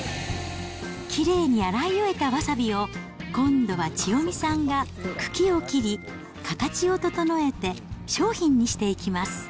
きれいに洗い終えたわさびを、今度は千代美さんが茎を切り、形を整えて、商品にしていきます。